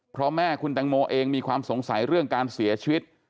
เพราะแม่คุณแตงโมเองมีความสงสัยเรื่องการเสียชีวิต